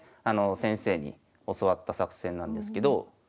先生に教わった作戦なんですけど。